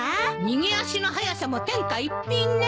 逃げ足の速さも天下一品ね。